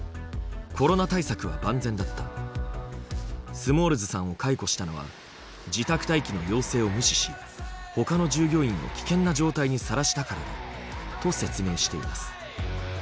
スモールズさんを解雇したのは自宅待機の要請を無視しほかの従業員を危険な状態にさらしたからだ」と説明しています。